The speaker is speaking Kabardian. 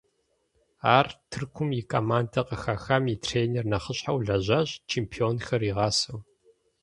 Ар Тыркум и командэ къыхэхам и тренер нэхъыщхьэу лэжьащ, чемпионхэр игъасэу.